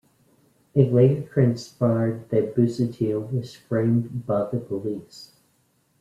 It later transpired that Busuttil was framed by the police.